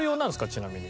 ちなみに。